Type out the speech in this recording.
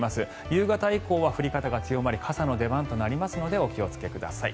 夕方以降は降り方が強まり傘の出番となりますのでお気をつけください。